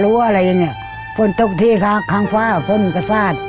รั้วอะไรฟนตกที่ข้างหวานฝนมันกระสาท